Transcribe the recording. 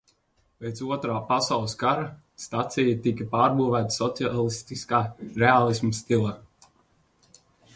Pēc Otrā pasaules kara stacija tika pārbūvēta sociālistiskā reālisma stilā.